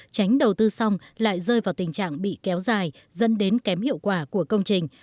tránh đầu tư xong lại rơi vào tình trạng bị kéo dài dẫn đến kém hiệu quả của công trình